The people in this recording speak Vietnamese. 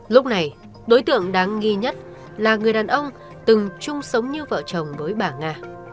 lúc này đối tượng đáng nghi nhất là người đàn ông từng chung sống như vợ chồng với bà nga